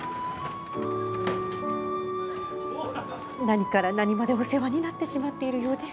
何から何までお世話になってしまっているようで。